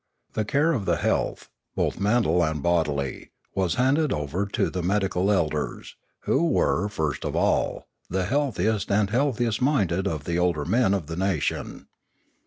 The care of the health, both mental and bodily, was handed over to the medi cal elders, who were, first of all, the healthiest and healthiest minded of the older men of the nation.